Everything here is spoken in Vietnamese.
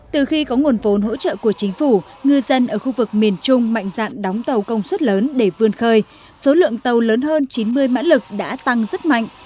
từ khi có nguồn vốn hỗ trợ của chính phủ ngư dân ở khu vực miền trung mạnh dạng đóng tàu công suất lớn để vươn khơi số lượng tàu lớn hơn chín mươi mã lực đã tăng rất mạnh